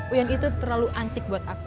uyan itu terlalu antik buat aku